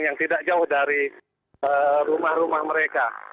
yang tidak jauh dari rumah rumah mereka